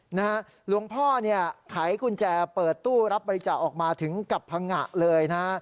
หลวงพ่อเนี่ยไขกุญแจเปิดตู้รับบริจาคออกมาถึงกับพังงะเลยนะฮะ